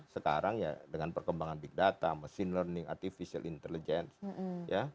sekarang ya dengan perkembangan big data machine learning artificial intelligence